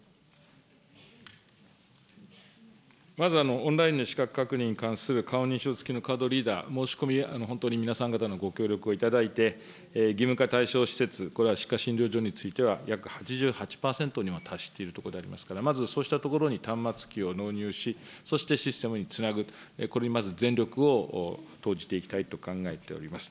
まず、オンラインの資格確認に関する顔認証つきのカードリーダー、申し込み、本当に皆さん方のご協力を頂いて、義務化対象施設、これは歯科診療所については約８８％に達しているところでありますから、まずそうした所に端末機を納入し、そしてシステムにつなぐ、これにまず全力を投じていきたいと考えております。